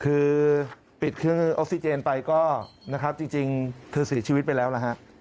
คือปิดเครื่องออกซิเจนไปจริงคือเสียชีวิตไปแล้วล่ะครับ